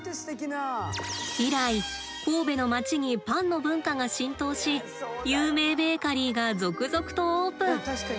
以来神戸の街にパンの文化が浸透し有名ベーカリーが続々とオープン。